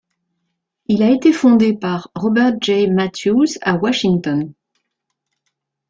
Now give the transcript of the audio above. Il a été fondé par Robert Jay Mathews à Washington.